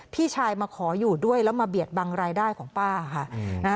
พี่ชายมาขออยู่ด้วยแล้วมาเบียดบังรายได้ของป้าค่ะ